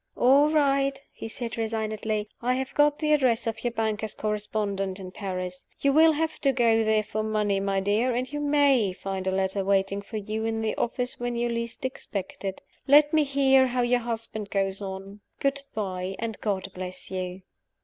"All right!" he said, resignedly. "I have got the address of your banker's correspondent in Paris. You will have to go there for money, my dear; and you may find a letter waiting for you in the office when you least expect it. Let me hear how your husband goes on. Good by and God bless you!"